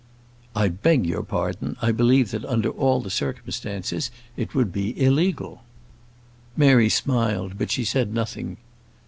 "I beg your pardon; I believe that under all the circumstances it would be illegal." Mary smiled; but she said nothing.